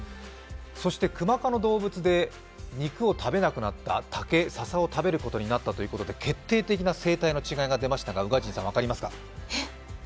そしてクマ科の動物で、肉を食べなくなった、竹、ささを食べることになった、決定的な生態の違いが出ましたが、宇賀神さん、分かりますか？